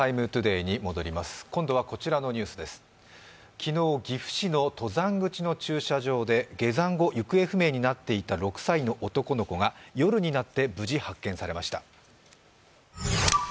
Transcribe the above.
昨日、岐阜市の登山口の駐車場で下山後、行方不明になっていた６歳の男の子が夜になって無事、発見されました。